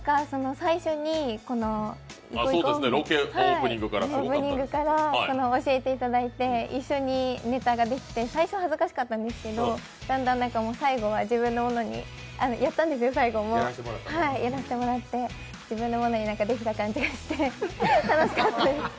最初に行こ行ことオープニングから一緒にネタができて、最初恥ずかしかったんですけど、だんだん最後は自分のものに、やったんで、最後も、やらせてもらったので自分のものにできた感じがして、楽しかったです。